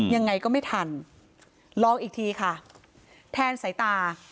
ยังไงก็ไม่ทันลองอีกทีค่ะแทนสายตา